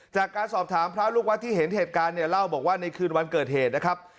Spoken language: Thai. จากการสอบถามพระลูกวัดที่เห็นเหตุการณ์เนี่ยเล่าบอกว่าในคืนวันเกิดเหตุนะครับ